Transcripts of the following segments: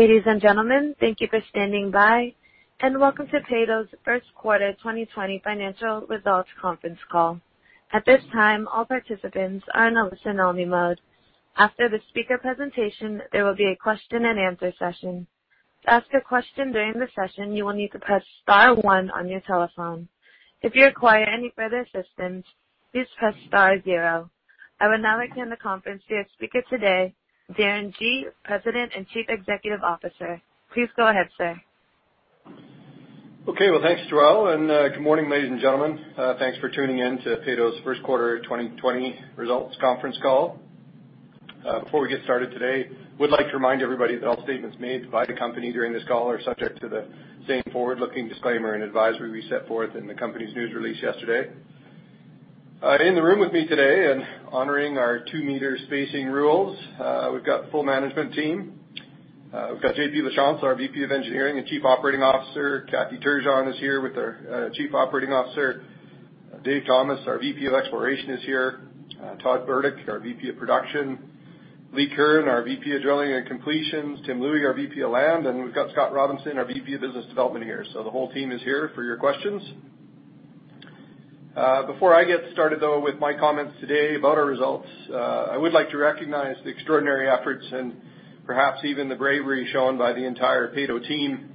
Ladies and gentlemen, thank you for standing by, and welcome to Peyto's first quarter 2020 financial results conference call. At this time, all participants are in a listen-only mode. After the speaker presentation, there will be a question and answer session. To ask a question during the session, you will need to press star one on your telephone. If you require any further assistance, please press star zero. I would now like to hand the conference to our speaker today, Darren Gee, President and Chief Executive Officer. Please go ahead, sir. Okay. Well, thanks, Joelle, good morning, ladies and gentlemen. Thanks for tuning in to Peyto's first quarter 2020 results conference call. Before we get started today, we'd like to remind everybody that all statements made by the company during this call are subject to the same forward-looking disclaimer and advisory we set forth in the company's news release yesterday. In the room with me today and honoring our 2 m spacing rules, we've got the full management team. We've got JP Lachance, our VP of Engineering and Chief Operating Officer. Kathy Turgeon is here with her, Chief Financial Officer. Dave Thomas, our VP of Exploration is here. Todd Burdick, our VP of Production. Lee Curran, our VP of Drilling and Completions. Tim Louie, our VP of Land, and we've got Scott Robinson, our VP of Business Development here. The whole team is here for your questions. Before I get started, though, with my comments today about our results, I would like to recognize the extraordinary efforts and perhaps even the bravery shown by the entire Peyto team,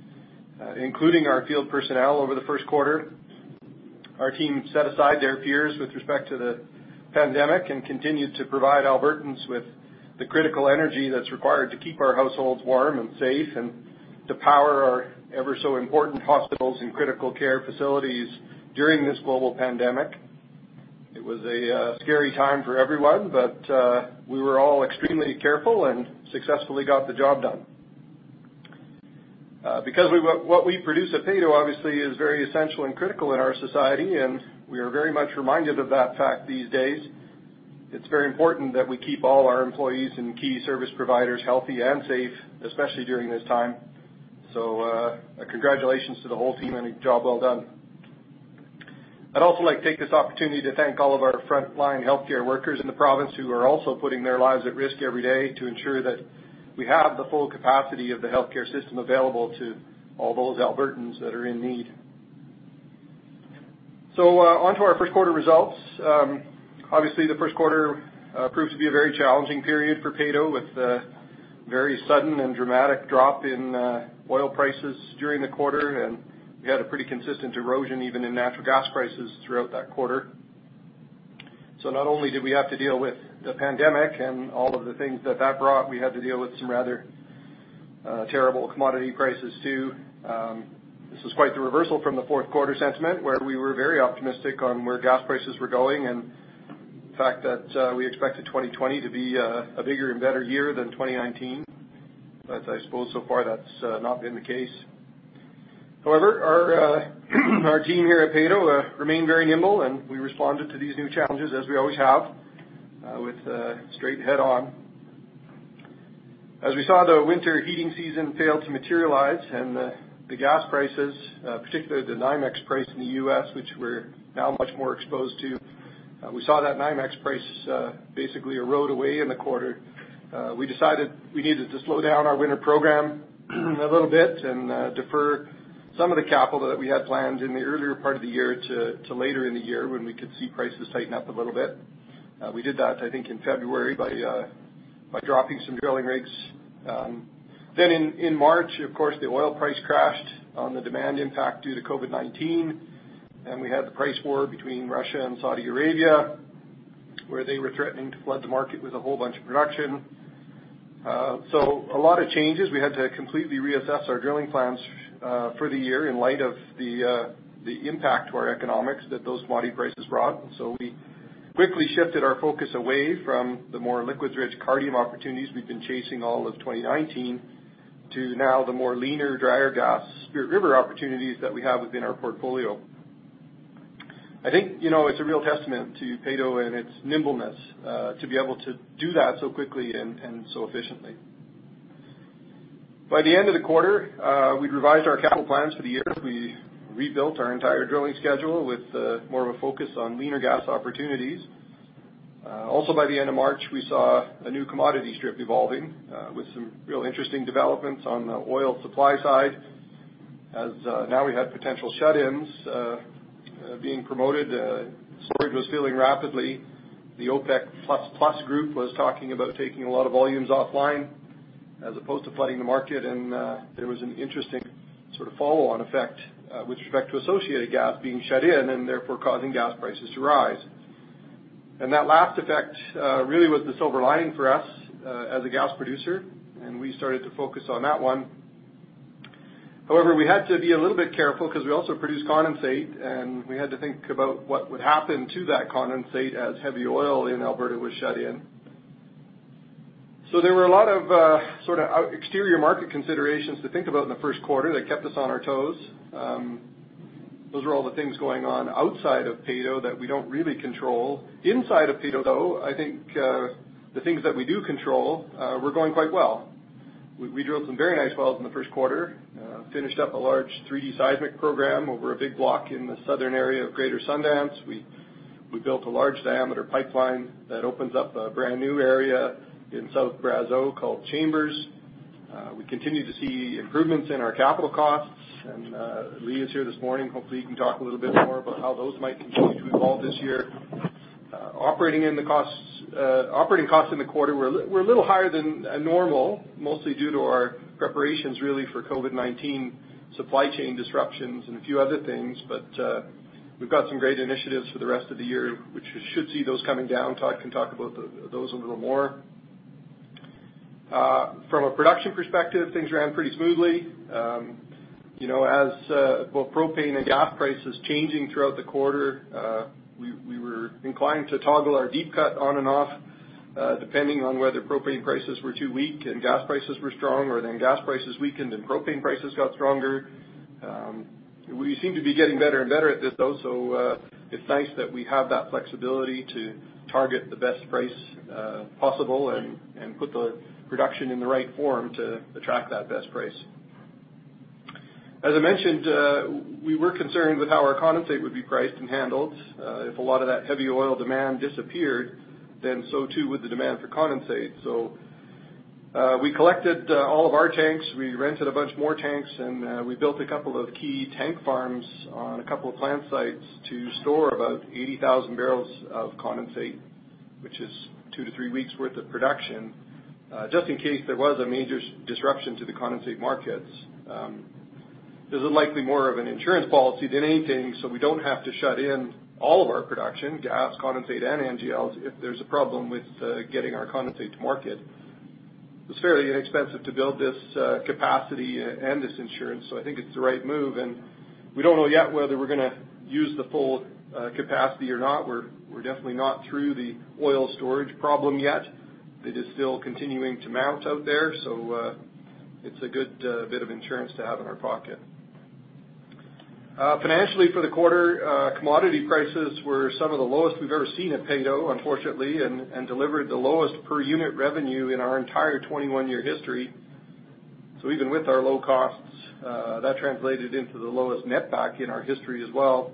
including our field personnel over the first quarter. Our team set aside their fears with respect to the pandemic and continued to provide Albertans with the critical energy that's required to keep our households warm and safe and to power our ever so important hospitals and critical care facilities during this global pandemic. It was a scary time for everyone. We were all extremely careful and successfully got the job done. What we produce at Peyto obviously is very essential and critical in our society, and we are very much reminded of that fact these days. It's very important that we keep all our employees and key service providers healthy and safe, especially during this time. Congratulations to the whole team on a job well done. I'd also like to take this opportunity to thank all of our frontline healthcare workers in the province who are also putting their lives at risk every day to ensure that we have the full capacity of the healthcare system available to all those Albertans that are in need. Onto our first quarter results. Obviously, the first quarter proved to be a very challenging period for Peyto with a very sudden and dramatic drop in oil prices during the quarter, and we had a pretty consistent erosion even in natural gas prices throughout that quarter. Not only did we have to deal with the pandemic and all of the things that that brought, we had to deal with some rather terrible commodity prices, too. This was quite the reversal from the fourth quarter sentiment, where we were very optimistic on where gas prices were going and the fact that we expected 2020 to be a bigger and better year than 2019. I suppose so far that's not been the case. However, our team here at Peyto remained very nimble, and we responded to these new challenges as we always have with straight head-on. As we saw, the winter heating season failed to materialize and the gas prices, particularly the NYMEX price in the U.S., which we're now much more exposed to, we saw that NYMEX price basically erode away in the quarter. We decided we needed to slow down our winter program a little bit and defer some of the capital that we had planned in the earlier part of the year to later in the year when we could see prices tighten up a little bit. We did that, I think, in February by dropping some drilling rigs. In March, of course, the oil price crashed on the demand impact due to COVID-19, and we had the price war between Russia and Saudi Arabia, where they were threatening to flood the market with a whole bunch of production. A lot of changes. We had to completely reassess our drilling plans for the year in light of the impact to our economics that those commodity prices brought. We quickly shifted our focus away from the more liquids-rich Cardium opportunities we've been chasing all of 2019 to now the more leaner, drier gas Spirit River opportunities that we have within our portfolio. I think it's a real testament to Peyto and its nimbleness to be able to do that so quickly and so efficiently. By the end of the quarter, we'd revised our capital plans for the year. We rebuilt our entire drilling schedule with more of a focus on leaner gas opportunities. Also, by the end of March, we saw a new commodity strip evolving with some real interesting developments on the oil supply side, as now we had potential shut-ins being promoted. Storage was filling rapidly. The OPEC plus plus group was talking about taking a lot of volumes offline as opposed to flooding the market, and there was an interesting sort of follow-on effect with respect to associated gas being shut in and therefore causing gas prices to rise. That last effect really was the silver lining for us as a gas producer, and we started to focus on that one. However, we had to be a little bit careful because we also produce condensate, and we had to think about what would happen to that condensate as heavy oil in Alberta was shut in. There were a lot of sort of exterior market considerations to think about in the first quarter that kept us on our toes. Those are all the things going on outside of Peyto that we don't really control. Inside of Peyto, though, I think the things that we do control were going quite well. We drilled some very nice wells in the first quarter, finished up a large 3D seismic program over a big block in the southern area of Greater Sundance. We built a large diameter pipeline that opens up a brand new area in South Brazeau called Chambers. We continue to see improvements in our capital costs. Lee is here this morning. Hopefully, he can talk a little more about how those might continue to evolve this year. Operating costs in the quarter were a little higher than normal, mostly due to our preparations really for COVID-19 supply chain disruptions and a few other things. We've got some great initiatives for the rest of the year, which should see those coming down. Todd can talk about those a little more. From a production perspective, things ran pretty smoothly. As both propane and gas prices changing throughout the quarter, we were inclined to toggle our deep cut on and off, depending on whether propane prices were too weak and gas prices were strong, or gas prices weakened and propane prices got stronger. We seem to be getting better and better at this, though, so it's nice that we have that flexibility to target the best price possible and put the production in the right form to attract that best price. As I mentioned, we were concerned with how our condensate would be priced and handled. If a lot of that heavy oil demand disappeared, then so too would the demand for condensate. We collected all of our tanks, we rented a bunch more tanks, and we built a couple of key tank farms on a couple of plant sites to store about 80,000 barrels of condensate, which is two to three weeks worth of production, just in case there was a major disruption to the condensate markets. This is likely more of an insurance policy than anything, so we don't have to shut in all of our production, gas, condensate, and NGLs, if there's a problem with getting our condensate to market. It's fairly inexpensive to build this capacity and this insurance, so I think it's the right move. We don't know yet whether we're going to use the full capacity or not. We're definitely not through the oil storage problem yet. It is still continuing to mount out there, so it's a good bit of insurance to have in our pocket. Financially for the quarter, commodity prices were some of the lowest we've ever seen at Peyto, unfortunately, and delivered the lowest per unit revenue in our entire 21-year history. Even with our low costs, that translated into the lowest netback in our history as well.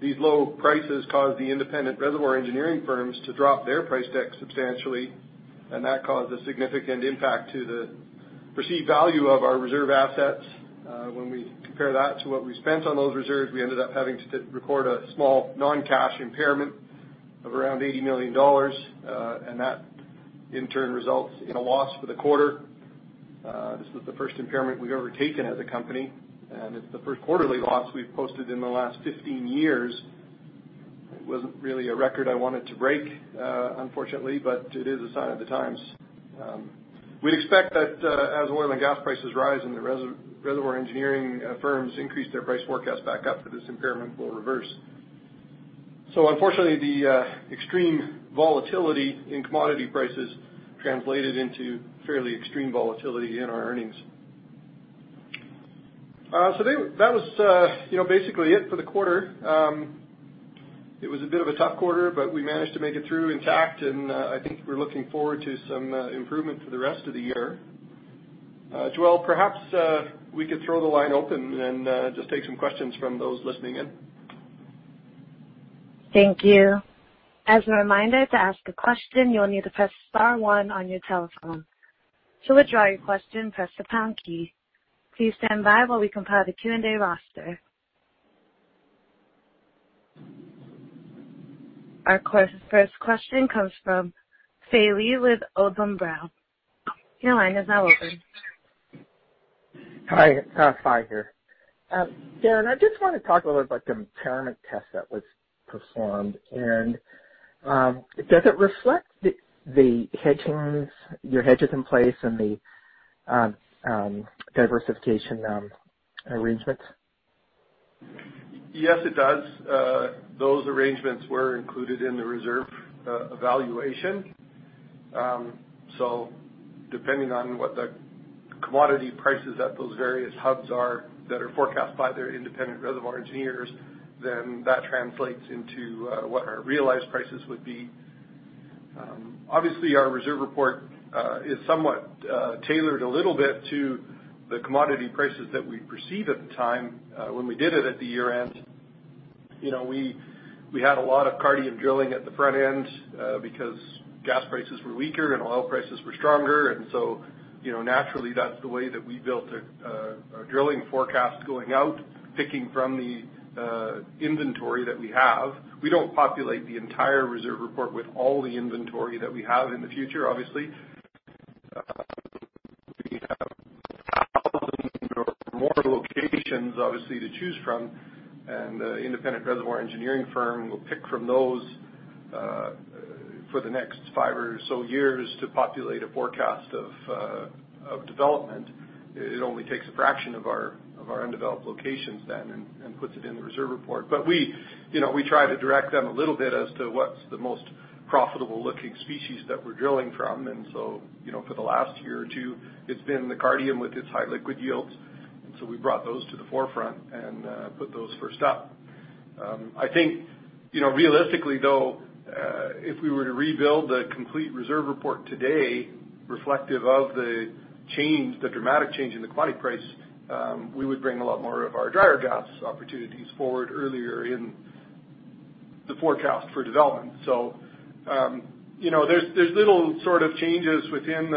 These low prices caused the independent reservoir engineering firms to drop their price deck substantially, and that caused a significant impact to the perceived value of our reserve assets. When we compare that to what we spent on those reserves, we ended up having to record a small non-cash impairment of around 80 million dollars, and that in turn results in a loss for the quarter. This was the first impairment we've ever taken as a company, and it's the first quarterly loss we've posted in the last 15 years. It wasn't really a record I wanted to break, unfortunately, but it is a sign of the times. We'd expect that as oil and gas prices rise and the reservoir engineering firms increase their price forecast back up, that this impairment will reverse. Unfortunately, the extreme volatility in commodity prices translated into fairly extreme volatility in our earnings. That was basically it for the quarter. It was a bit of a tough quarter, but we managed to make it through intact, and I think we're looking forward to some improvement for the rest of the year. Joelle, perhaps we could throw the line open and just take some questions from those listening in. Thank you. As a reminder, to ask a question, you'll need to press star one on your telephone. To withdraw your question, press the pound key. Please stand by while we compile the Q&A roster. Our first question comes from Fai Lee with Odlum Brown. Your line is now open. Hi. It's Fai here. Darren, I just want to talk a little about the impairment test that was performed. Does it reflect your hedges in place and the diversification arrangements? Yes, it does. Those arrangements were included in the reserve evaluation. Depending on what the commodity prices at those various hubs are that are forecast by their independent reservoir engineers, then that translates into what our realized prices would be. Obviously, our reserve report is somewhat tailored a little bit to the commodity prices that we perceive at the time when we did it at the year-end. We had a lot of Cardium drilling at the front end because gas prices were weaker and oil prices were stronger, and so naturally, that's the way that we built our drilling forecast going out, picking from the inventory that we have. We don't populate the entire reserve report with all the inventory that we have in the future, obviously. We have thousands more locations, obviously, to choose from, and the independent reservoir engineering firm will pick from those for the next five or so years to populate a forecast of development. It only takes a fraction of our undeveloped locations then and puts it in the reserve report. We try to direct them a little bit as to what's the most profitable looking species that we're drilling from. For the last year or two, it's been the Cardium with its high liquid yields. We brought those to the forefront and put those first up. I think realistically, though, if we were to rebuild the complete reserve report today reflective of the dramatic change in the commodity price, we would bring a lot more of our drier gas opportunities forward earlier in the forecast for development. There's little sort of changes within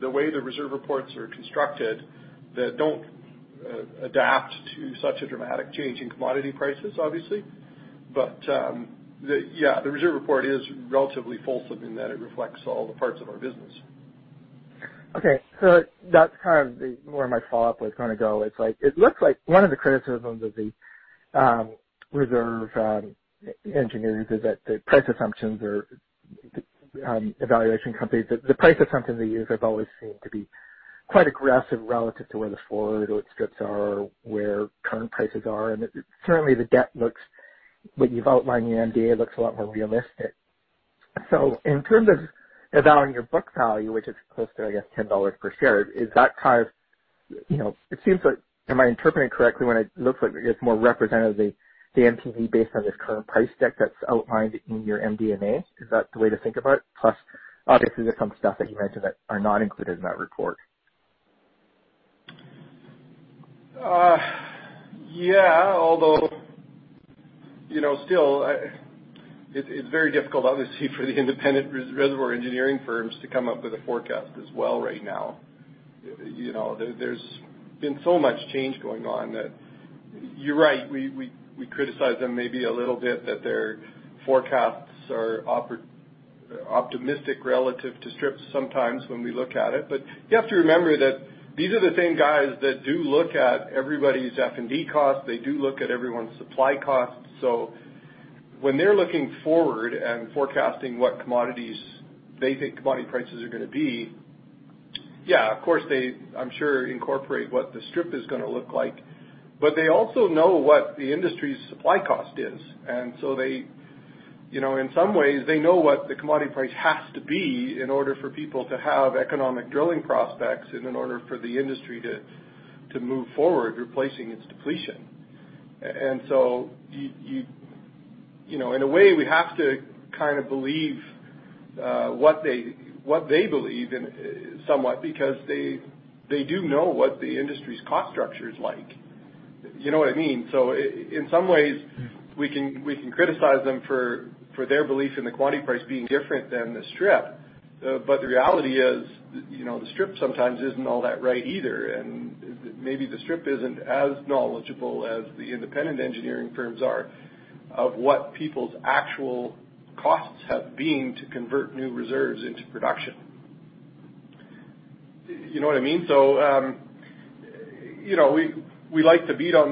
the way the reserve reports are constructed that don't adapt to such a dramatic change in commodity prices, obviously. The reserve report is relatively fulsome in that it reflects all the parts of our business. Okay. That's kind of where my follow-up was going to go. It looks like one of the criticisms of the reserve engineers is that the price assumptions or the valuation companies, the price assumptions they use have always seemed to be quite aggressive relative to where the forward strips are or where current prices are. Certainly, the deck looks, what you've outlined in the NDA, looks a lot more realistic. In terms of valuing your book value, which is close to, I guess, 10 dollars per share, it seems like, am I interpreting correctly when it looks like it's more representative of the NPV based on this current price deck that's outlined in your MD&A? Is that the way to think about it? Plus, obviously, there's some stuff that you mentioned that are not included in that report. Yeah. Still, it's very difficult, obviously, for the independent reservoir engineering firms to come up with a forecast as well right now. There's been so much change going on that you're right. We criticize them maybe a little bit that their forecasts are optimistic relative to strips sometimes when we look at it. You have to remember that these are the same guys that do look at everybody's F&D costs. They do look at everyone's supply costs. When they're looking forward and forecasting what they think commodity prices are going to be, yeah, of course, they, I'm sure, incorporate what the strip is going to look like. They also know what the industry's supply cost is. In some ways, they know what the commodity price has to be in order for people to have economic drilling prospects and in order for the industry to move forward replacing its depletion. In a way, we have to kind of believe what they believe in somewhat, because they do know what the industry's cost structure is like. You know what I mean? In some ways, we can criticize them for their belief in the commodity price being different than the strip. The reality is, the strip sometimes isn't all that right either. Maybe the strip isn't as knowledgeable as the independent engineering firms are of what people's actual costs have been to convert new reserves into production. You know what I mean? We like to beat on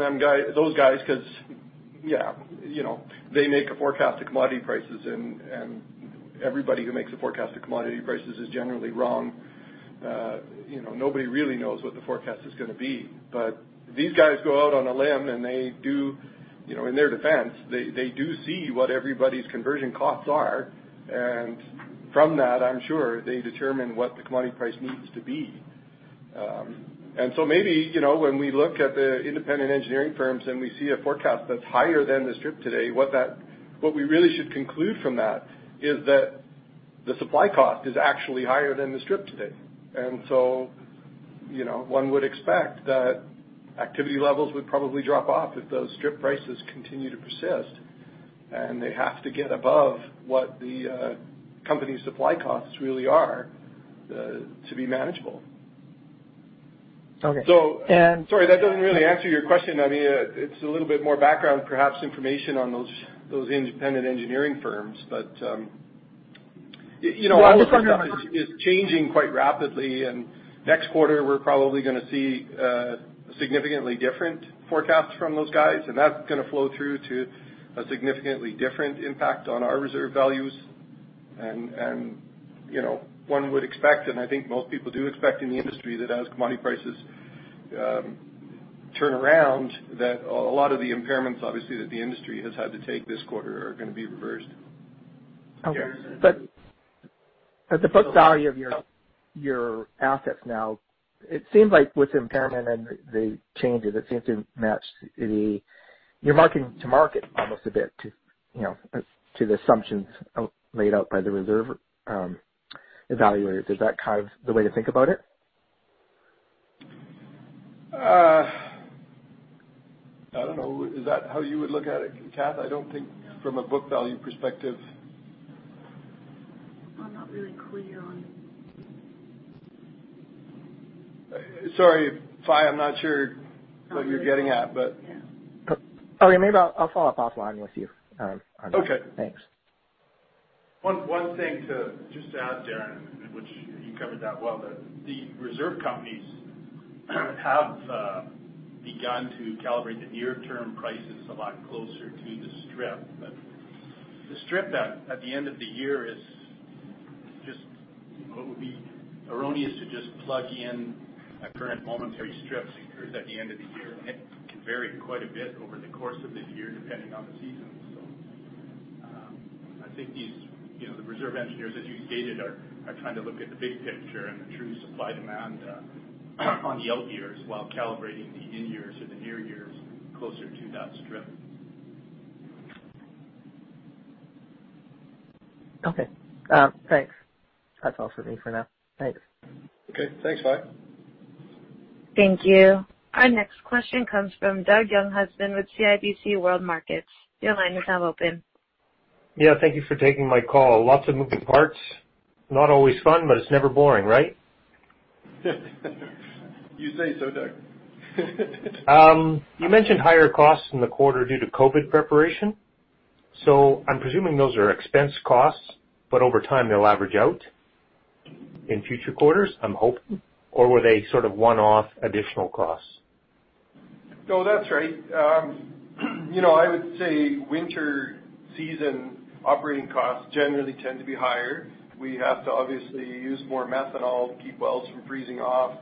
those guys because, yeah, they make a forecast of commodity prices, and everybody who makes a forecast of commodity prices is generally wrong. Nobody really knows what the forecast is going to be. These guys go out on a limb, and in their defense, they do see what everybody's conversion costs are. From that, I'm sure they determine what the commodity price needs to be. Maybe, when we look at the independent engineering firms and we see a forecast that's higher than the strip today, what we really should conclude from that is that the supply cost is actually higher than the strip today. One would expect that activity levels would probably drop off if those strip prices continue to persist. They have to get above what the company's supply costs really are to be manageable. Okay. Sorry, that doesn't really answer your question. It's a little bit more background, perhaps information on those independent engineering firms. No, I was just wondering. All this stuff is changing quite rapidly, and next quarter, we're probably going to see significantly different forecasts from those guys, and that's going to flow through to a significantly different impact on our reserve values. One would expect, and I think most people do expect in the industry that as commodity prices turn around, that a lot of the impairments, obviously, that the industry has had to take this quarter are going to be reversed. Okay. The book value of your assets now, it seems like with the impairment and the changes, it seems to match You're marking to market almost a bit to the assumptions laid out by the reserve evaluators. Is that kind of the way to think about it? I don't know. Is that how you would look at it, Kath? I don't think from a book value perspective. I'm not really clear on. Sorry, Fai, I'm not sure what you're getting at, but. Yeah. Okay. Maybe I'll follow up offline with you. Okay. Thanks. One thing to just add, Darren, which you covered that well, the reserve companies have begun to calibrate the near-term prices a lot closer to the strip. The strip at the end of the year is just what would be erroneous to just plug in a current momentary strip that occurs at the end of the year. It can vary quite a bit over the course of the year, depending on the season. I think the reserve engineers, as you stated, are trying to look at the big picture and the true supply-demand on the out years while calibrating the in-years or the near years closer to that strip. Okay. Thanks. That's all for me for now. Thanks. Okay. Thanks, Fai. Thank you. Our next question comes from Doug Younghusband with CIBC World Markets. Your line is now open. Yeah. Thank you for taking my call. Lots of moving parts. Not always fun, but it's never boring, right? You say so, Doug. You mentioned higher costs in the quarter due to COVID preparation. I'm presuming those are expense costs, but over time, they'll average out in future quarters, I'm hoping. Were they sort of one-off additional costs? No, that's right. I would say winter season operating costs generally tend to be higher. We have to obviously use more methanol to keep wells from freezing off.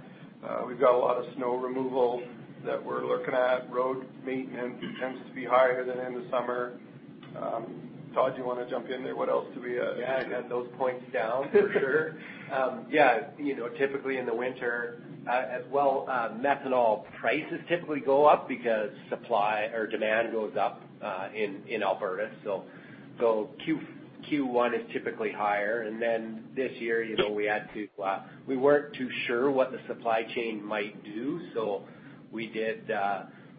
We've got a lot of snow removal that we're looking at. Road maintenance tends to be higher than in the summer. Todd, do you want to jump in there? What else do we? Add those points down, for sure. Typically, in the winter, as well, methanol prices typically go up because demand goes up in Alberta. Q1 is typically higher. This year, we weren't too sure what the supply chain might do, so we did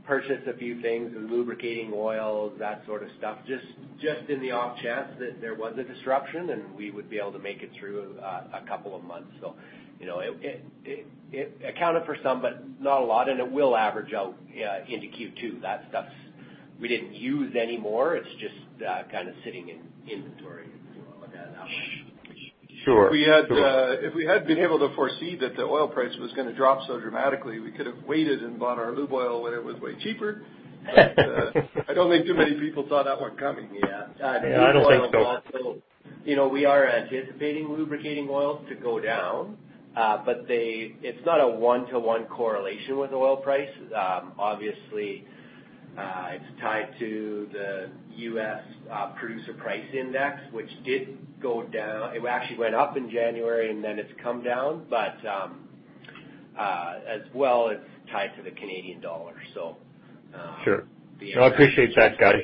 purchase a few things, some lubricating oils, that sort of stuff, just in the off chance that there was a disruption, and we would be able to make it through a couple of months. It accounted for some, but not a lot, and it will average out into Q2. That stuff, we didn't use any more. It's just kind of sitting in inventory at the moment. Sure. If we had been able to foresee that the oil price was going to drop so dramatically, we could have waited and bought our lube oil when it was way cheaper. I don't think too many people saw that one coming. Yeah. Yeah, I don't think so. You know, we are anticipating lubricating oils to go down. It's not a one-to-one correlation with oil price. Obviously, it's tied to the U.S. Producer Price Index, which did go down. It actually went up in January, and then it's come down. As well, it's tied to the Canadian dollar. Sure. I appreciate that, guys.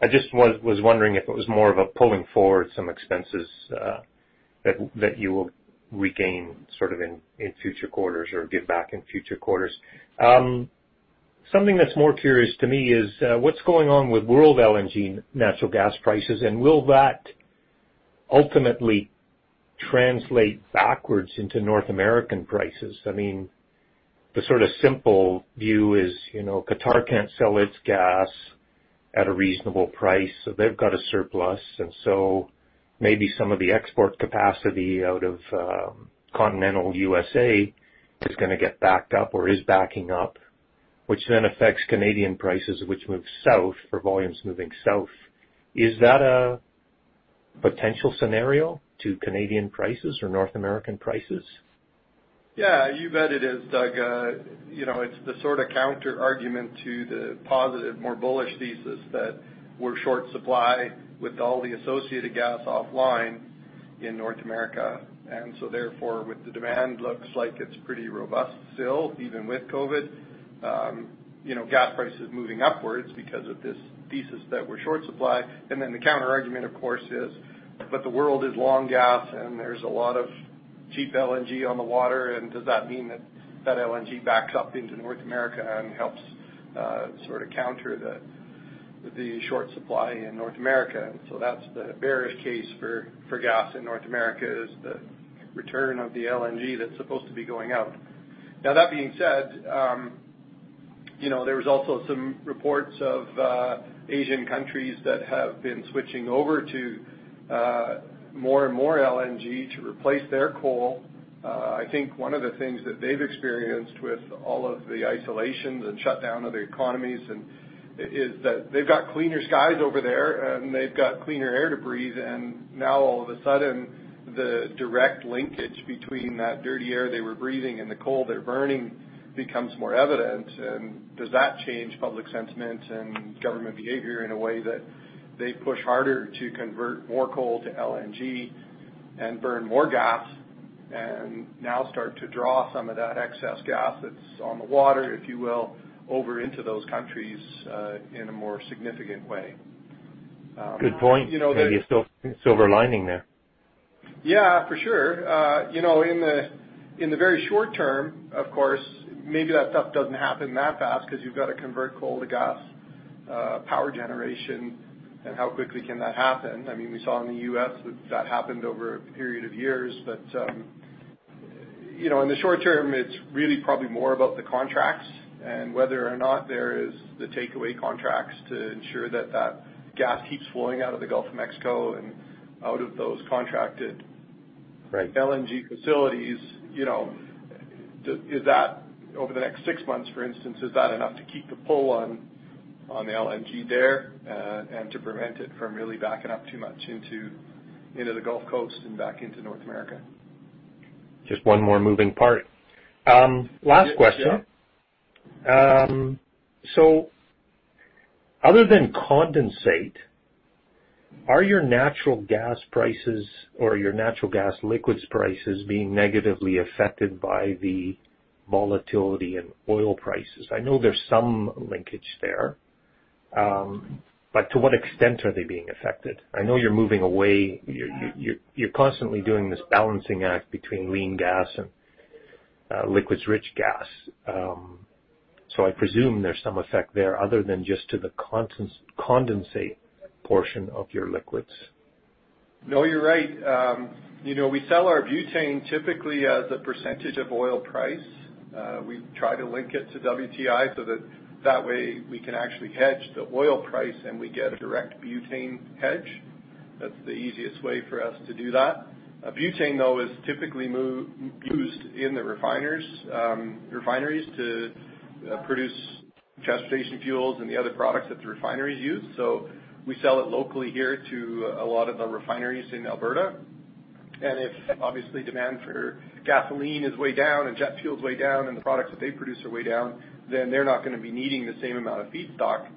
I just was wondering if it was more of a pulling forward some expenses that you will regain sort of in future quarters or give back in future quarters. Something that's more curious to me is what's going on with world LNG natural gas prices, and will that ultimately translate backwards into North American prices? The sort of simple view is Qatar can't sell its gas at a reasonable price, so they've got a surplus. Maybe some of the export capacity out of continental U.S.A. is going to get backed up or is backing up, which then affects Canadian prices, which moves south or volumes moving south. Is that a potential scenario to Canadian prices or North American prices? Yeah, you bet it is, Doug. It's the sort of counterargument to the positive, more bullish thesis that we're short supply with all the associated gas offline in North America. Therefore, with the demand, looks like it's pretty robust still, even with COVID. Gas prices moving upwards because of this thesis that we're short supply. Then the counterargument, of course, is, but the world is long gas, and there's a lot of cheap LNG on the water, and does that mean that that LNG backs up into North America and helps sort of counter the short supply in North America? That's the bearish case for gas in North America, is the return of the LNG that's supposed to be going out. Now, that being said, there was also some reports of Asian countries that have been switching over to more and more LNG to replace their coal. I think one of the things that they've experienced with all of the isolations and shutdown of their economies is that they've got cleaner skies over there, and they've got cleaner air to breathe. Now all of a sudden, the direct linkage between that dirty air they were breathing and the coal they're burning becomes more evident. Does that change public sentiment and government behavior in a way that they push harder to convert more coal to LNG and burn more gas and now start to draw some of that excess gas that's on the water, if you will, over into those countries, in a more significant way? Good point. Maybe a silver lining there. Yeah, for sure. In the very short term, of course, maybe that stuff doesn't happen that fast because you've got to convert coal to gas power generation. How quickly can that happen? We saw in the U.S. that that happened over a period of years. In the short term, it's really probably more about the contracts and whether or not there is the takeaway contracts to ensure that that gas keeps flowing out of the Gulf of Mexico and out of those contracted- Right LNG facilities. Over the next six months, for instance, is that enough to keep the pull on the LNG there and to prevent it from really backing up too much into the Gulf Coast and back into North America? Just one more moving part. Last question. Yeah. Other than condensate, are your natural gas prices or your natural gas liquids prices being negatively affected by the volatility in oil prices? I know there's some linkage there. To what extent are they being affected? I know you're moving away. You're constantly doing this balancing act between lean gas and liquids rich gas. I presume there's some effect there other than just to the condensate portion of your liquids. No, you're right. We sell our butane typically as a percentage of oil price. We try to link it to WTI so that way, we can actually hedge the oil price, and we get a direct butane hedge. That's the easiest way for us to do that. Butane, though, is typically used in the refineries to produce transportation fuels and the other products that the refineries use. We sell it locally here to a lot of the refineries in Alberta. If, obviously, demand for gasoline is way down and jet fuel is way down and the products that they produce are way down, then they're not going to be needing the same amount of feedstock.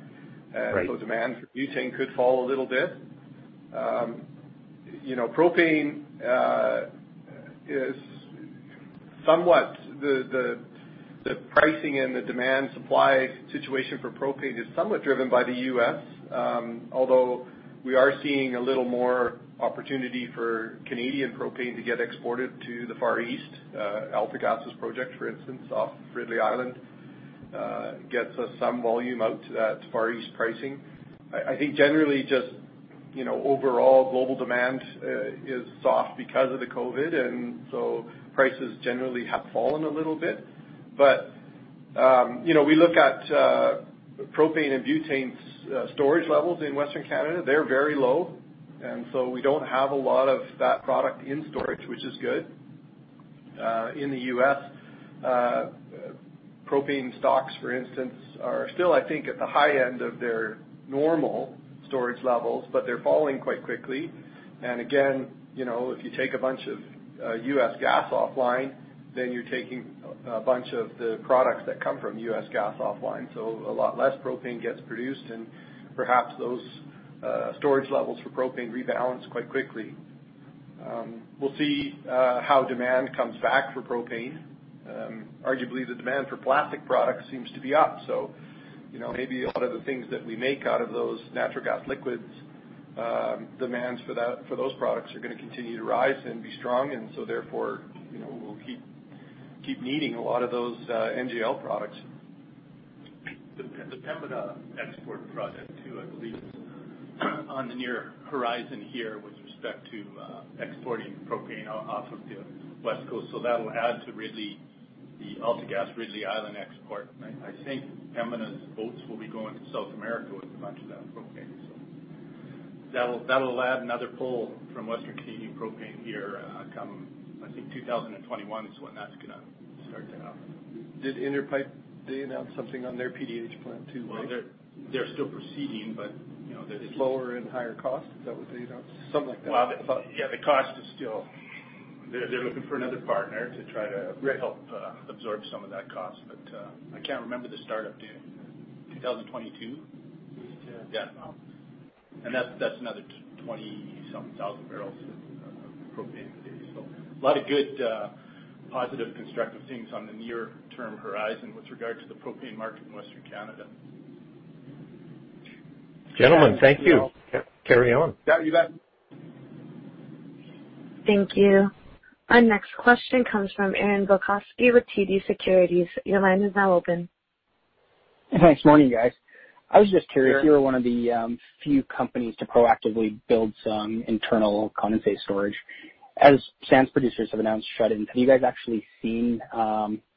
Right. Demand for butane could fall a little bit. Propane is the pricing and the demand supply situation for propane is somewhat driven by the U.S. although we are seeing a little more opportunity for Canadian propane to get exported to the Far East. AltaGas' project, for instance, off Ridley Island, gets us some volume out to that Far East pricing. I think generally just, overall global demand is soft because of the COVID, prices generally have fallen a little bit. We look at propane and butane storage levels in Western Canada. They're very low, we don't have a lot of that product in storage, which is good. In the U.S., propane stocks, for instance, are still, I think, at the high end of their normal storage levels, they're falling quite quickly. Again, if you take a bunch of U.S. gas offline, then you're taking a bunch of the products that come from U.S. gas offline. A lot less propane gets produced, and perhaps those storage levels for propane rebalance quite quickly. We'll see how demand comes back for propane. Arguably, the demand for plastic products seems to be up, so maybe a lot of the things that we make out of those natural gas liquids, demands for those products are going to continue to rise and be strong, and so therefore, we'll keep needing a lot of those NGL products. The Pembina export project, too, I believe, is on the near horizon here with respect to exporting propane off of the West Coast. That will add to Ridley, the AltaGas Ridley Island export. I think Pembina's boats will be going to South America with a bunch of that propane. That will add another pull from Western Canadian propane here come, I think 2021, is when that's going to start to happen. Did Inter Pipeline, did they announce something on their PDH plant, too? Well, they're still proceeding. Lower and higher cost? Is that what they announced? Something like that. Well, yeah, the cost is still. They're looking for another partner to try to help absorb some of that cost. I can't remember the startup date. 2022? Yeah. Yeah. Well, that's another 20-some thousand barrels of propane a day. A lot of good positive constructive things on the near-term horizon with regard to the propane market in Western Canada. Gentlemen, thank you. Carry on. Yeah, you bet. Thank you. Our next question comes from Aaron Bilkoski with TD Securities. Your line is now open. Thanks. Morning, guys. I was just curious, you were one of the few companies to proactively build some internal condensate storage. As sands producers have announced shut-ins, have you guys actually seen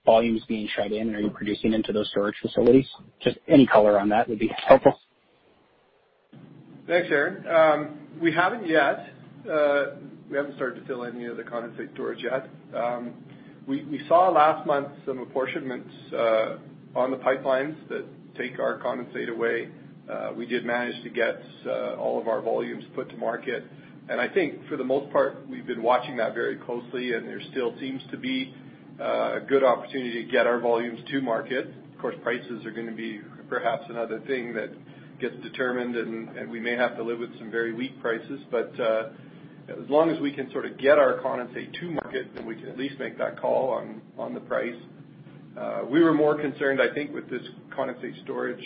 volumes being shut in? Are you producing into those storage facilities? Just any color on that would be helpful. Thanks, Aaron. We haven't yet. We haven't started to fill any of the condensate storage yet. We saw last month some apportionments on the pipelines that take our condensate away. We did manage to get all of our volumes put to market. I think for the most part, we've been watching that very closely, and there still seems to be a good opportunity to get our volumes to market. Of course, prices are going to be perhaps another thing that gets determined, and we may have to live with some very weak prices. As long as we can sort of get our condensate to market, then we can at least make that call on the price. We were more concerned, I think, with this condensate storage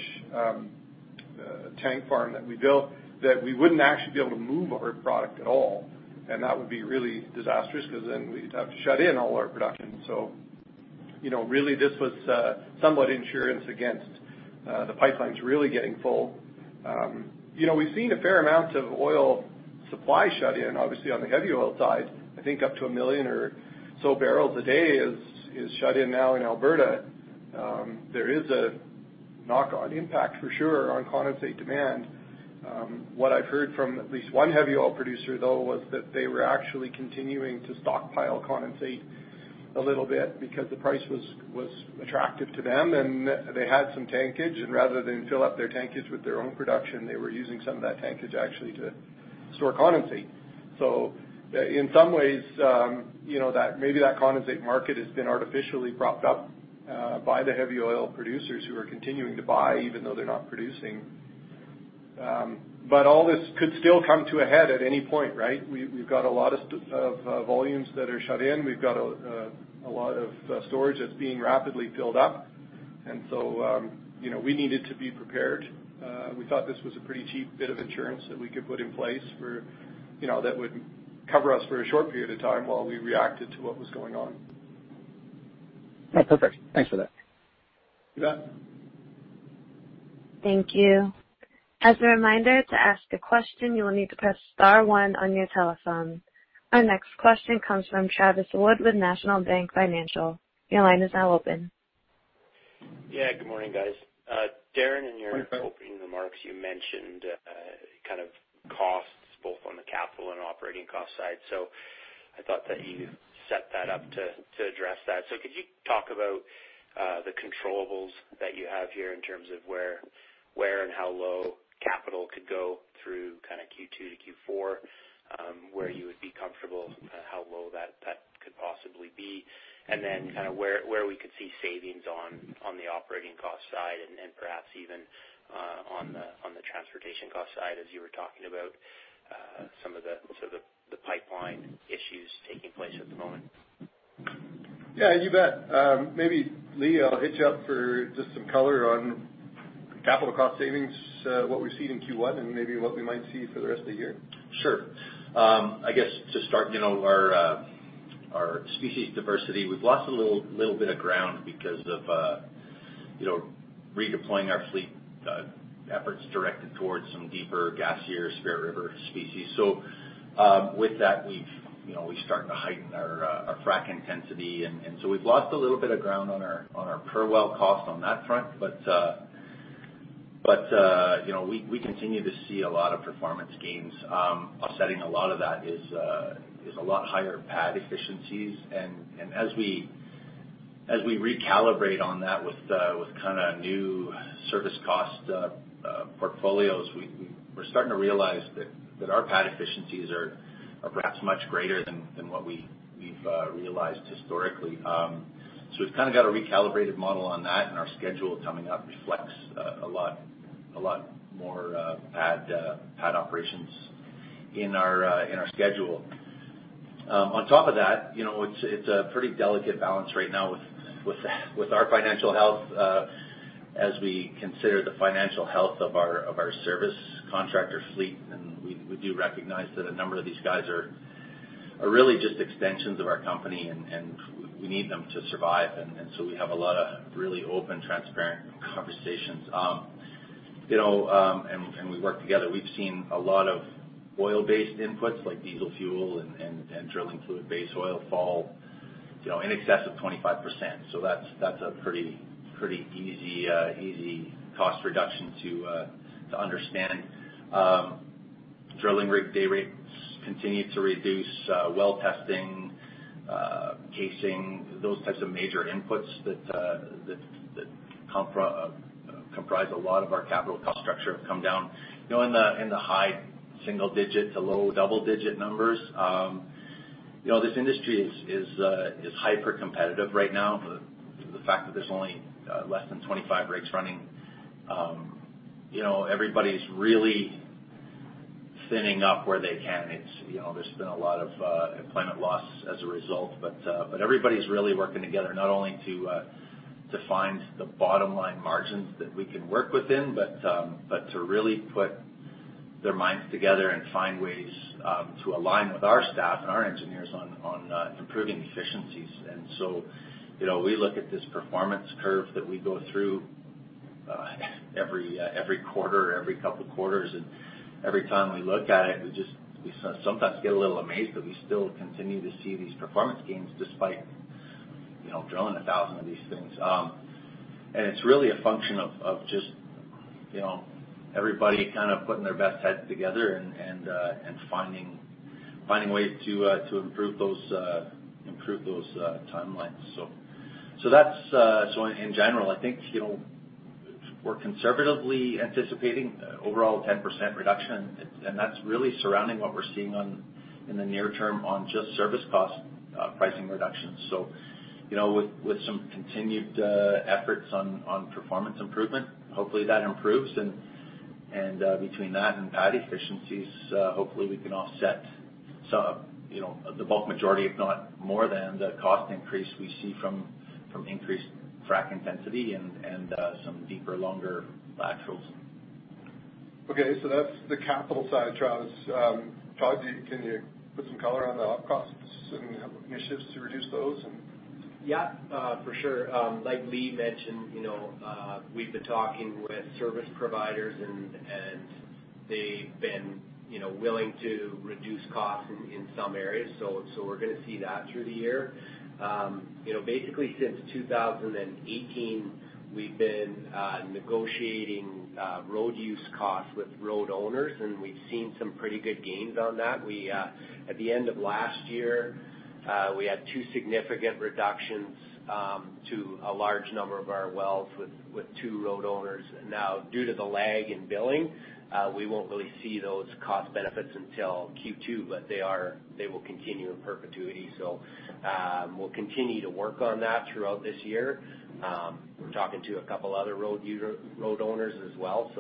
tank farm that we built, that we wouldn't actually be able to move our product at all, that would be really disastrous because we'd have to shut in all our production. Really, this was somewhat insurance against the pipelines really getting full. We've seen a fair amount of oil supply shut in, obviously, on the heavy oil side, I think up to 1 million or so barrels a day is shut in now in Alberta. There is a knock-on impact for sure on condensate demand. What I've heard from at least one heavy oil producer, though, was that they were actually continuing to stockpile condensate a little bit because the price was attractive to them and they had some tankage, and rather than fill up their tankage with their own production, they were using some of that tankage actually to store condensate. In some ways, maybe that condensate market has been artificially propped up by the heavy oil producers who are continuing to buy even though they're not producing. All this could still come to a head at any point, right? We've got a lot of volumes that are shut in. We've got a lot of storage that's being rapidly filled up. We needed to be prepared. We thought this was a pretty cheap bit of insurance that we could put in place that would cover us for a short period of time while we reacted to what was going on. Oh, perfect. Thanks for that. You bet. Thank you. As a reminder, to ask a question, you will need to press star one on your telephone. Our next question comes from Travis Wood with National Bank Financial. Your line is now open. Yeah. Good morning, guys. Darren, in your- Hi, Travis. opening remarks, you mentioned kind of costs both on the capital and operating cost side. I thought that you set that up to address that. Could you talk about the controllables that you have here in terms of where and how low capital could go through kind of Q2 to Q4, where you would be comfortable, how low that could possibly be, and then kind of where we could see savings on the operating cost side and perhaps even on the transportation cost side as you were talking about some of the pipeline issues taking place at the moment? Yeah, you bet. Maybe Lee, I will hit you up for just some color on capital cost savings, what we have seen in Q1 and maybe what we might see for the rest of the year. Sure. I guess to start, our species diversity, we've lost a little bit of ground because of redeploying our fleet efforts directed towards some deeper gassier Spirit River species. With that, we're starting to heighten our frack intensity. We've lost a little bit of ground on our per well cost on that front. We continue to see a lot of performance gains. Offsetting a lot of that is a lot higher pad efficiencies. As we recalibrate on that with kind of new service cost portfolios, we're starting to realize that our pad efficiencies are perhaps much greater than what we've realized historically. We've kind of got a recalibrated model on that, and our schedule coming up reflects a lot more pad operations in our schedule. On top of that, it's a pretty delicate balance right now with our financial health as we consider the financial health of our service contractor fleet, and we do recognize that a number of these guys are really just extensions of our company, and we need them to survive. We have a lot of really open, transparent conversations. We work together. We've seen a lot of oil-based inputs, like diesel fuel and drilling fluid-based oil fall in excess of 25%. That's a pretty easy cost reduction to understand. Drilling rig day rates continue to reduce well testing, casing, those types of major inputs that comprise a lot of our capital cost structure have come down in the high single digit to low double-digit numbers. This industry is hypercompetitive right now. The fact that there's only less than 25 rigs running. Everybody's really thinning up where they can. There's been a lot of employment loss as a result. Everybody's really working together not only to find the bottom line margins that we can work within, but to really put their minds together and find ways to align with our staff and our engineers on improving efficiencies. We look at this performance curve that we go through every quarter or every couple of quarters, and every time we look at it, we sometimes get a little amazed that we still continue to see these performance gains despite drilling 1,000 of these things. It's really a function of just everybody kind of putting their best heads together and finding ways to improve those timelines. In general, I think we're conservatively anticipating overall 10% reduction, and that's really surrounding what we're seeing in the near term on just service cost pricing reductions. With some continued efforts on performance improvement, hopefully that improves, and between that and pad efficiencies, hopefully we can offset the bulk majority, if not more than the cost increase we see from increased frack intensity and some deeper, longer laterals. Okay. That's the capital side, Travis. Todd, can you put some color on the op costs and initiatives to reduce those. Yeah, for sure. Like Lee mentioned, we've been talking with service providers, and they've been willing to reduce costs in some areas. We're going to see that through the year. Basically, since 2018, we've been negotiating road use costs with road owners, and we've seen some pretty good gains on that. At the end of last year, we had two significant reductions to a large number of our wells with two road owners. Now, due to the lag in billing, we won't really see those cost benefits until Q2, but they will continue in perpetuity. We'll continue to work on that throughout this year. We're talking to a couple other road owners as well.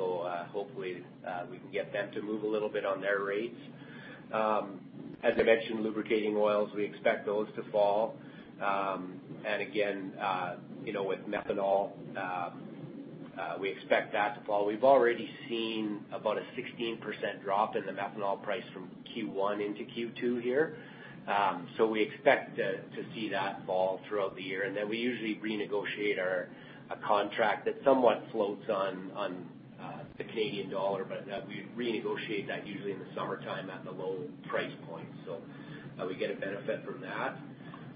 Hopefully, we can get them to move a little bit on their rates. As I mentioned, lubricating oils, we expect those to fall. Again, with methanol, we expect that to fall. We've already seen about a 16% drop in the methanol price from Q1 into Q2 here. We expect to see that fall throughout the year. We usually renegotiate our contract that somewhat floats on the Canadian dollar, but that we renegotiate that usually in the summertime at the low price point. We get a benefit from that.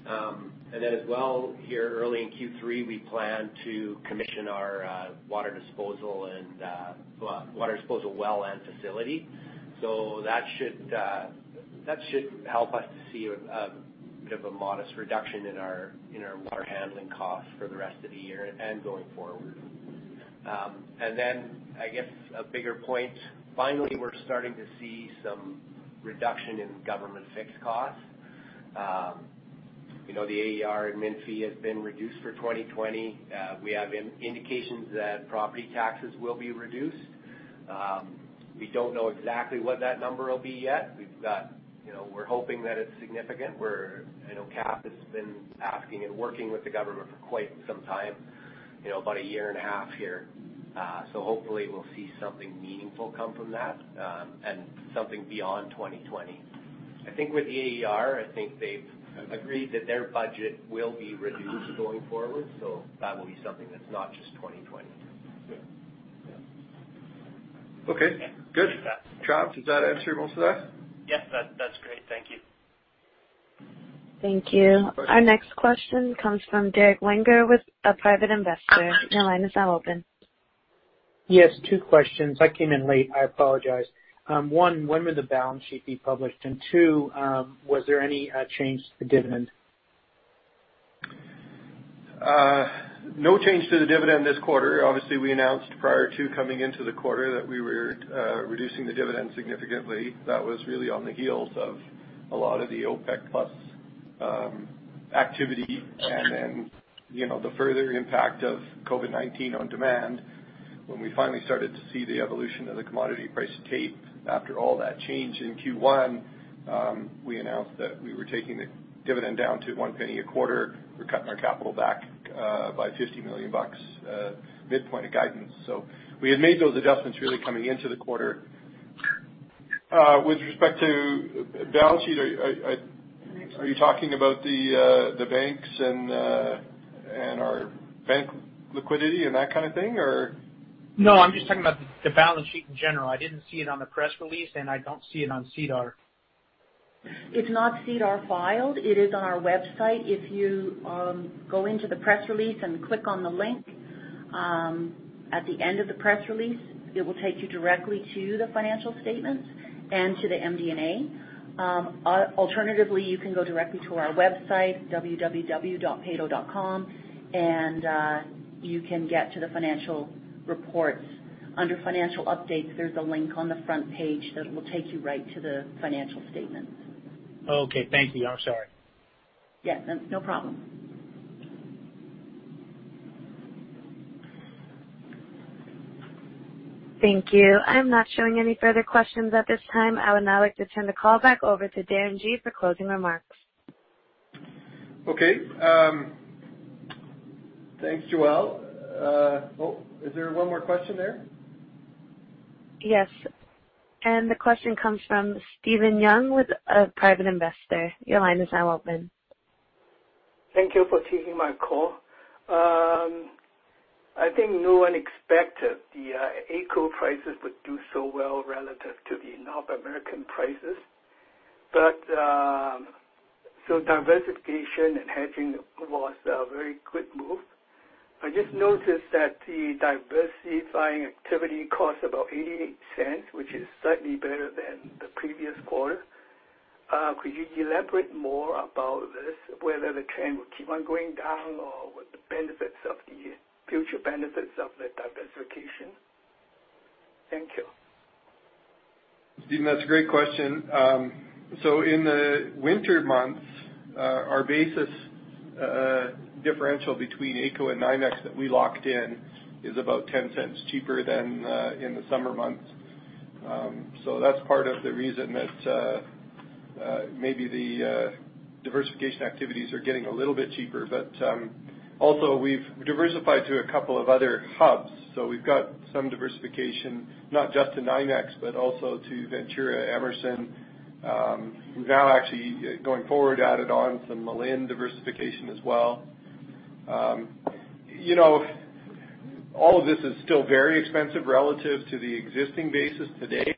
As well, here early in Q3, we plan to commission our water disposal well and facility. That should help us to see a bit of a modest reduction in our water handling costs for the rest of the year and going forward. I guess a bigger point, finally, we're starting to see some reduction in government fixed costs. We know the AER admin fee has been reduced for 2020. We have indications that property taxes will be reduced. We don't know exactly what that number will be yet. We're hoping that it's significant. CAPP has been asking and working with the government for quite some time, about a year and a half here. Hopefully we'll see something meaningful come from that, and something beyond 2020. I think with AER, I think they've agreed that their budget will be reduced going forward, so that will be something that's not just 2020. Yeah. Okay, good. Travis, does that answer most of that? Yes. That's great. Thank you. Thank you. Our next question comes from Derek Wenger with a private investor. Your line is now open. Yes. Two questions. I came in late. I apologize. One, when will the balance sheet be published? Two, was there any change to the dividend? No change to the dividend this quarter. We announced prior to coming into the quarter that we were reducing the dividend significantly. That was really on the heels of a lot of the OPEC+ activity. The further impact of COVID-19 on demand. When we finally started to see the evolution of the commodity price tape after all that change in Q1, we announced that we were taking the dividend down to 0.01 a quarter. We're cutting our capital back by 50 million bucks midpoint of guidance. We had made those adjustments really coming into the quarter. With respect to balance sheet, are you talking about the banks and our bank liquidity and that kind of thing? Or No, I'm just talking about the balance sheet in general. I didn't see it on the press release. I don't see it on SEDAR. It's not SEDAR filed. It is on our website. If you go into the press release and click on the link at the end of the press release, it will take you directly to the financial statements and to the MD&A. Alternatively, you can go directly to our website, www.peyto.com, and you can get to the financial reports. Under financial updates, there's a link on the front page that will take you right to the financial statements. Okay. Thank you. I'm sorry. Yeah, no problem. Thank you. I'm not showing any further questions at this time. I would now like to turn the call back over to Darren Gee for closing remarks. Okay. Thanks, Joelle. Is there one more question there? Yes. The question comes from Steven Young with a private investor. Your line is now open. Thank you for taking my call. I think no one expected the AECO prices would do so well relative to the North American prices. Diversification and hedging was a very quick move. I just noticed that the diversifying activity costs about 0.88, which is slightly better than the previous quarter. Could you elaborate more about this, whether the trend will keep on going down or what the future benefits of the diversification? Thank you. Steven, that's a great question. In the winter months, our basis differential between AECO and NYMEX that we locked in is about 0.10 cheaper than in the summer months. That's part of the reason that maybe the diversification activities are getting a little bit cheaper. Also we've diversified to a couple of other hubs. We've got some diversification, not just to NYMEX, but also to Ventura, Emerson. We've now actually going forward added on some Malin diversification as well. All of this is still very expensive relative to the existing basis today.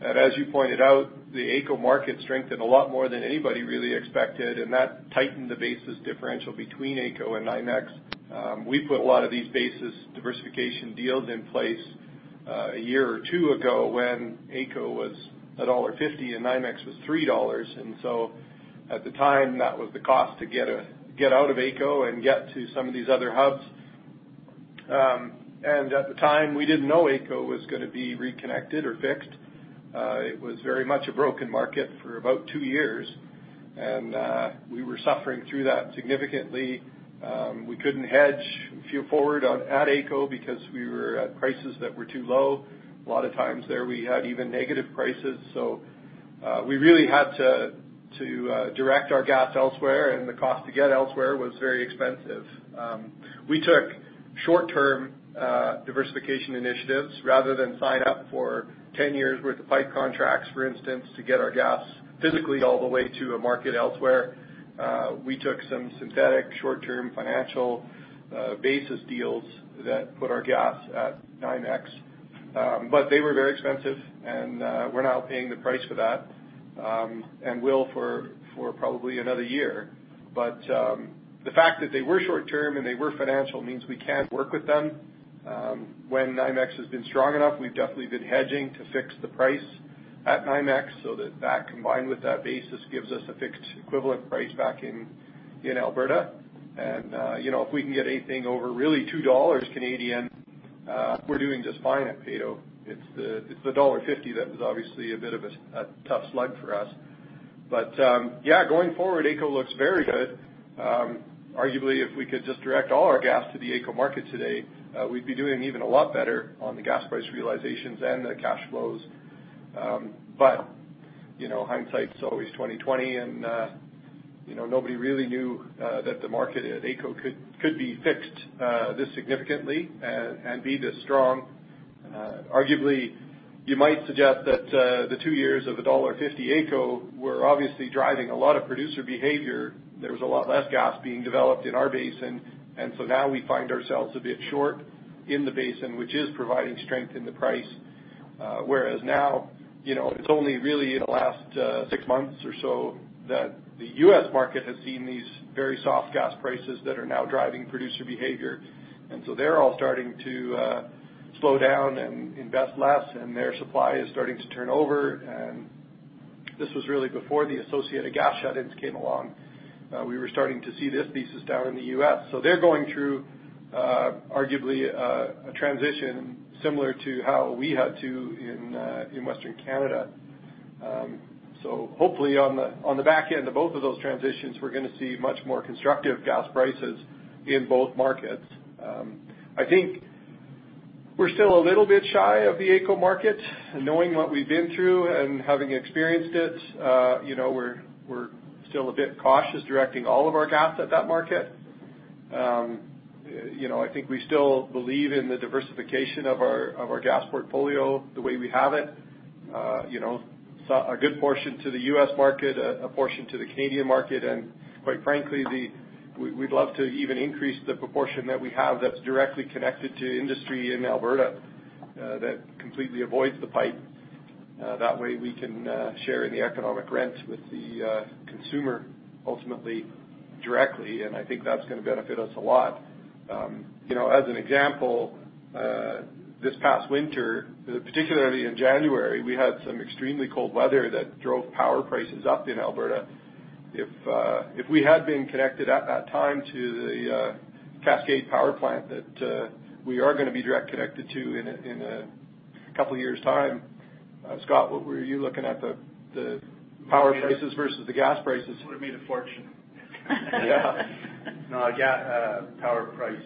As you pointed out, the AECO market strengthened a lot more than anybody really expected, and that tightened the basis differential between AECO and NYMEX. We put a lot of these basis diversification deals in place a year or two ago when AECO was a dollar 1.50 and NYMEX was 3 dollars. At the time, that was the cost to get out of AECO and get to some of these other hubs. At the time, we didn't know AECO was going to be reconnected or fixed. It was very much a broken market for about two years. We were suffering through that significantly. We couldn't hedge forward at AECO because we were at prices that were too low. A lot of times there, we had even negative prices. We really had to direct our gas elsewhere, and the cost to get elsewhere was very expensive. We took short-term diversification initiatives rather than sign up for 10 years' worth of pipe contracts, for instance, to get our gas physically all the way to a market elsewhere. We took some synthetic short-term financial basis deals that put our gas at NYMEX. They were very expensive, and we're now paying the price for that and will for probably another year. The fact that they were short-term and they were financial means we can work with them. When NYMEX has been strong enough, we've definitely been hedging to fix the price at NYMEX, so that that combined with that basis gives us a fixed equivalent price back in Alberta. If we can get anything over really 2 dollars, we're doing just fine at Peyto. It's the dollar 1.50 that was obviously a bit of a tough slug for us. Going forward, AECO looks very good. Arguably, if we could just direct all our gas to the AECO market today, we'd be doing even a lot better on the gas price realizations and the cash flows. Hindsight's always 2020, and nobody really knew that the market at AECO could be fixed this significantly and be this strong. Arguably, you might suggest that the two years of the dollar 1.50 AECO were obviously driving a lot of producer behavior. There was a lot less gas being developed in our basin, now we find ourselves a bit short in the basin, which is providing strength in the price. Now, it's only really in the last six months or so that the U.S. market has seen these very soft gas prices that are now driving producer behavior. They're all starting to slow down and invest less, and their supply is starting to turn over, and this was really before the associated gas shut-ins came along. We were starting to see this thesis down in the U.S. They're going through, arguably, a transition similar to how we had to in Western Canada. Hopefully on the back end of both of those transitions, we're going to see much more constructive gas prices in both markets. I think we're still a little bit shy of the AECO market. Knowing what we've been through and having experienced it, we're still a bit cautious directing all of our gas at that market. I think we still believe in the diversification of our gas portfolio the way we have it. A good portion to the U.S. market, a portion to the Canadian market, quite frankly, we'd love to even increase the proportion that we have that's directly connected to industry in Alberta that completely avoids the pipe. That way, we can share in the economic rent with the consumer ultimately directly, and I think that's going to benefit us a lot. As an example, this past winter, particularly in January, we had some extremely cold weather that drove power prices up in Alberta. If we had been connected at that time to the Cascade Power Project that we are going to be direct connected to in a couple years' time Scott, what were you looking at, the power prices versus the gas prices? Would've made a fortune. Yeah. No, power price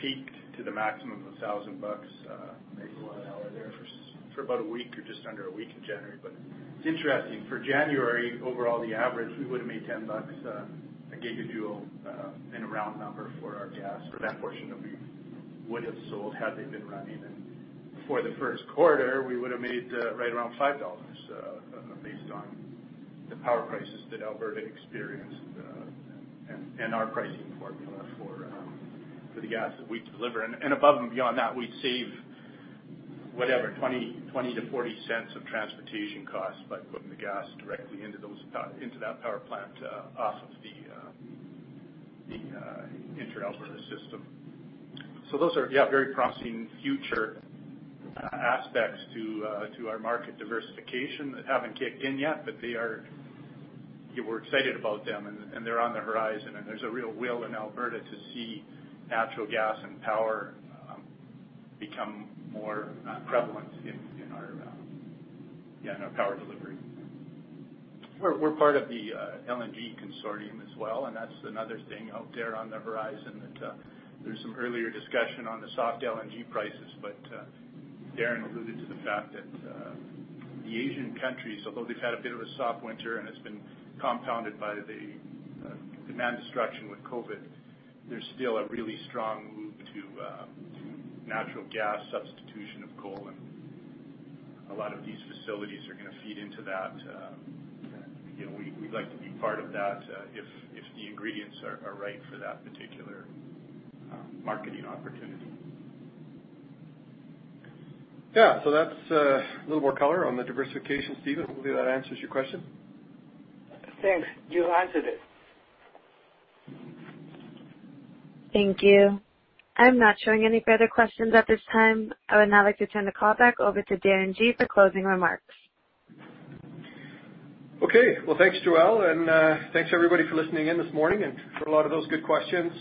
peaked to the maximum of 1,000 bucks. Makes a lot of Canadian dollars there. for about a week or just under a week in January. It's interesting. For January, overall the average, we would've made 10 bucks a gigajoule in a round number for our gas for that portion that we would've sold had they been running. For the first quarter, we would've made right around 5 dollars based on the power prices that Alberta experienced and our pricing formula for the gas that we deliver. Above and beyond that, we save 0.20-0.40 of transportation costs by putting the gas directly into that power plant off of the intra-Alberta system. Those are very promising future aspects to our market diversification that haven't kicked in yet, but we're excited about them, and they're on the horizon, and there's a real will in Alberta to see natural gas and power become more prevalent in our power delivery. We're part of the LNG consortium as well. That's another thing out there on the horizon that there's some earlier discussion on the soft LNG prices. Darren alluded to the fact that the Asian countries, although they've had a bit of a soft winter, and it's been compounded by the demand destruction with COVID-19, there's still a really strong move to natural gas substitution of coal. A lot of these facilities are going to feed into that. We'd like to be part of that if the ingredients are right for that particular marketing opportunity. That's a little more color on the diversification, Steven. Hopefully that answers your question. Thanks. You answered it. Thank you. I'm not showing any further questions at this time. I would now like to turn the call back over to Darren Gee for closing remarks. Okay. Well, thanks, Joelle, and thanks everybody for listening in this morning and for a lot of those good questions.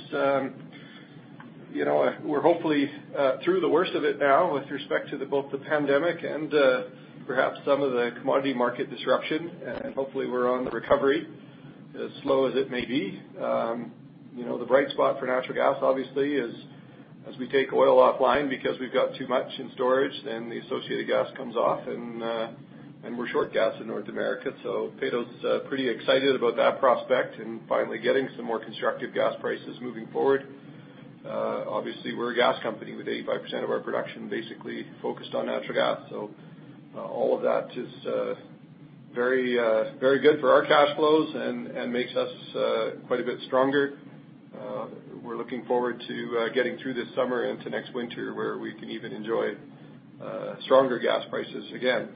We're hopefully through the worst of it now with respect to both the pandemic and perhaps some of the commodity market disruption. Hopefully we're on the recovery, as slow as it may be. The bright spot for natural gas, obviously, is as we take oil offline because we've got too much in storage and the associated gas comes off, and we're short gas in North America. Peyto's pretty excited about that prospect and finally getting some more constructive gas prices moving forward. Obviously, we're a gas company with 85% of our production basically focused on natural gas, so all of that is very good for our cash flows and makes us quite a bit stronger. We're looking forward to getting through this summer into next winter, where we can even enjoy stronger gas prices again.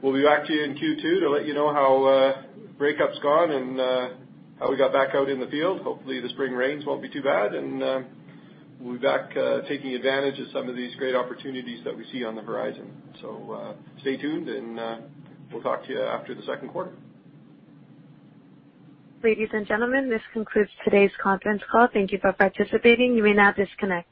We'll be back to you in Q2 to let you know how breakup's gone and how we got back out in the field. Hopefully, the spring rains won't be too bad, and we'll be back taking advantage of some of these great opportunities that we see on the horizon. Stay tuned, and we'll talk to you after the second quarter. Ladies and gentlemen, this concludes today's conference call. Thank you for participating. You may now disconnect.